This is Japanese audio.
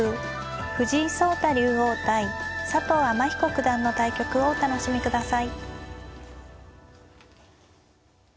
藤井聡太竜王対佐藤天彦九段の対局をお楽しみください。